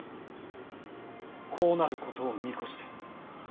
こうなることを見越して。